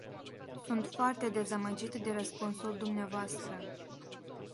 Sunt foarte dezamăgit de răspunsul dumneavoastră.